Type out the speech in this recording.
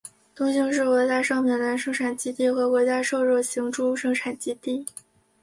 东兴是国家商品粮生产基地和国家瘦肉型猪生产基地。